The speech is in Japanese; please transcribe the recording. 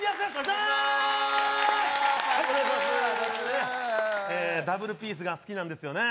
ダブルピースが好きなんですよね